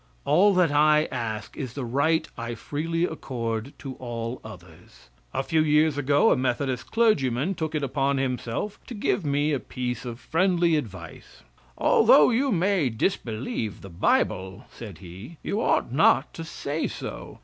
All that I ask is the right I freely accord to all others. A few years ago a Methodist clergyman took it upon himself to give me a piece of friendly advice. "Although you may disbelieve the bible," said he, "you ought not to say so.